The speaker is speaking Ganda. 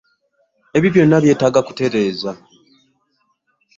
Ebyo byonna byetaaga kutereeza.